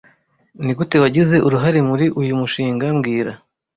Nigute wagize uruhare muri uyu mushinga mbwira